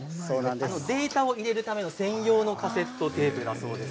データを入れるための専用のカセットテープだそうです。